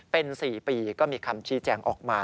เป็น๔ปีก็มีคำชี้แจงออกมา